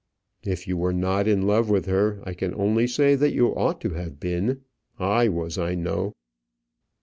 "If you were not in love with her, I can only say that you ought to have been. I was, I know."